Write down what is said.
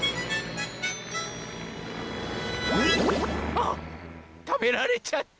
あったべられちゃった！